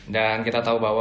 dan kita tahu bahwa